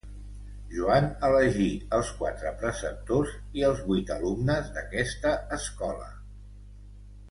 Joan elegí els quatre preceptors i els vuit alumnes d'aquesta escola.